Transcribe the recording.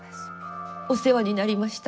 お世話になりました。